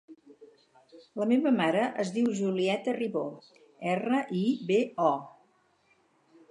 La meva mare es diu Julieta Ribo: erra, i, be, o.